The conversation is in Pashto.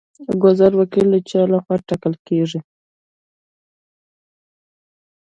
ګذر وکیل د چا لخوا ټاکل کیږي؟